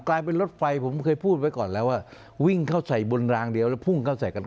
กลายเป็นรถไฟผมเคยพูดไว้ก่อนแล้วว่าวิ่งเข้าใส่บนรางเดียวแล้วพุ่งเข้าใส่กัน